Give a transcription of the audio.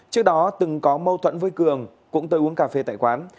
trước đó từng có mâu thuẫn với cường cũng tới uống cà phê tại quán